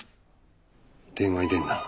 電話に出んな。